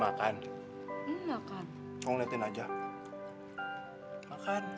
makan enggak makan makan cium